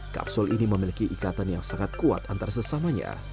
kapsul ini memiliki ikatan yang sangat kuat antar sesamanya